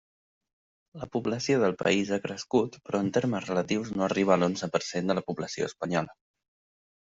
La població del País ha crescut però en termes relatius no arriba a l'onze per cent de la població espanyola.